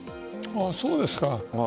そうですか。